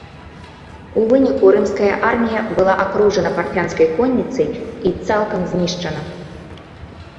У выніку рымская армія была акружана парфянскай конніцай і цалкам знішчана.